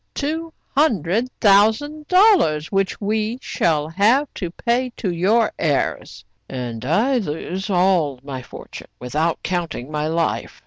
"Two hundred thousand dollars, which we shall have to pay to your heirs. "And I lose all my fortune, without counting my life.